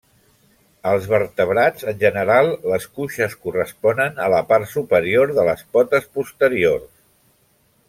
Als vertebrats en general les cuixes corresponen a la part superior de les potes posteriors.